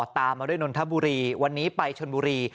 ตามมาด้วยนนทบุรีวันนี้ไปชนบุรี